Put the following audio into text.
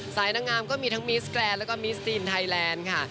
สายดังงามก็มีทั้งมีสแกและก็มีสีนไทยแลนด์ค่ะ